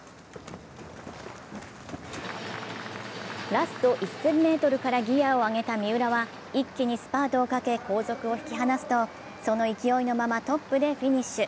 ラスト１０００ｍからギヤを上げた三浦は一気にスパートをかけ後続を引き離すとその勢いのままトップでフィニッシュ。